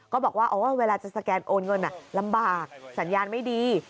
บอกว่าเวลาจะสแกนโอนเงินลำบากสัญญาณไม่ดี